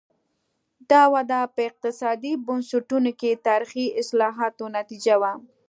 دا وده په اقتصادي بنسټونو کې تاریخي اصلاحاتو نتیجه وه.